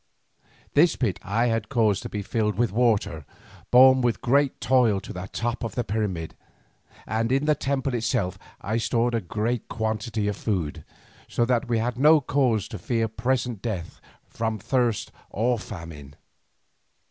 This pit I had caused to be filled with water borne with great toil to the top of the pyramid, and in the temple itself I stored a great quantity of food, so that we had no cause to fear present death from thirst or famine.